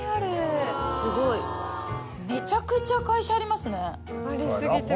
すごいめちゃくちゃ会社ありますね。